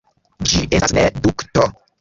Ĝi estas ne dukto.